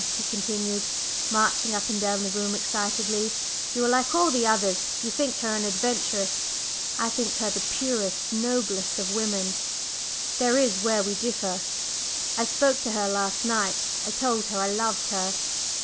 he continued, marching up and down the room excitedly. "You are like all the others; you think her an adventuress. I think her the purest, the noblest of women! There is where we differ. I spoke to her last night, I told her I loved her."